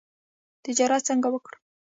تجارت څنګه وکړو؟